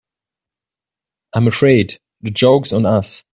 I'm afraid the joke's on us.